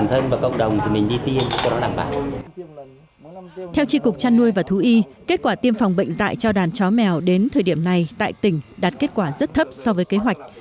theo tri cục chăn nuôi và thú y kết quả tiêm phòng bệnh dạy cho đàn chó mèo đến thời điểm này tại tỉnh đạt kết quả rất thấp so với kế hoạch